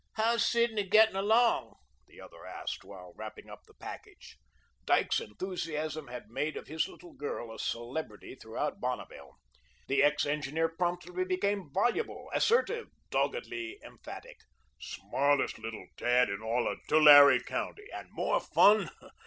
"How's Sidney getting along?" the other asked, while wrapping up the package. Dyke's enthusiasm had made of his little girl a celebrity throughout Bonneville. The ex engineer promptly became voluble, assertive, doggedly emphatic. "Smartest little tad in all Tulare County, and more fun!